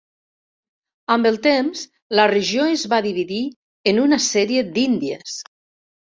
Amb el temps, la regió es va dividir en una sèrie d'Índies.